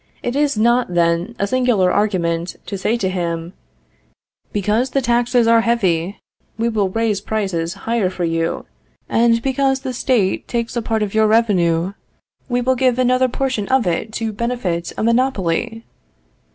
Is it not then a singular argument to say to him, "Because the taxes are heavy, we will raise prices higher for you; and because the State takes a part of your revenue, we will give another portion of it to benefit a monopoly?"